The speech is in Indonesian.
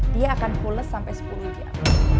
dia akan pules sampai sepuluh jam